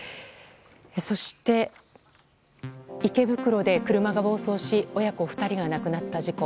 そして、池袋で車が暴走し親子２人が亡くなった事故。